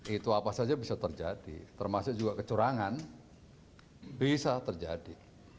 itu apa saja bisa terjadi termasuk juga kecurangan bisa terjadi